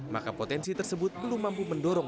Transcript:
maka potensi tersebut belum mampu mendorong